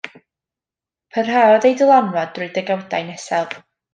Parhaodd ei dylanwad drwy'r degawdau nesaf.